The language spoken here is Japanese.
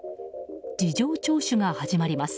事情聴取が始まります。